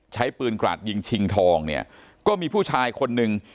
ใช้ปืนกราดยิงชิงทองเนี่ยก็มีผู้ชายคนนึง